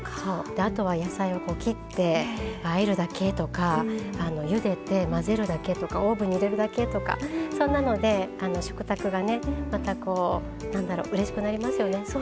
あとは野菜を切ってあえるだけとかゆでて混ぜるだけとかオーブンに入れるだけとかそんなので食卓がねまたこう何だろうれしくなりますよね。